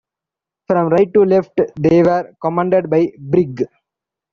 From right to left, they were commanded by Brig.